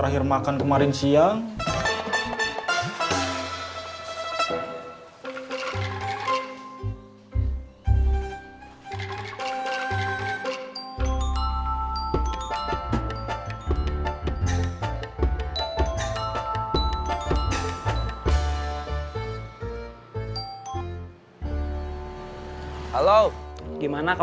kita pulang aja